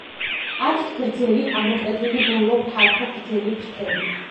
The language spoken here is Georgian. აქვთ გრძელი, ამოკვეთილი ბოლო, ფართო, გრძელი ფრთები.